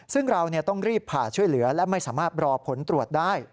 ซึ่งเราต้องรีบผ่าช่วยเหลือและไม่สามารถรอผลตรวจได้